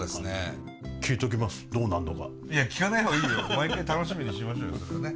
毎回楽しみにしましょうよそれはね。